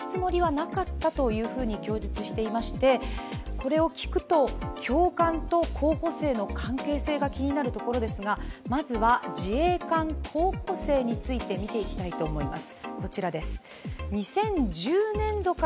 これを聞くと教官と候補生の関係性が気になるところですがまずは自衛官候補生について見ていきたいと思います。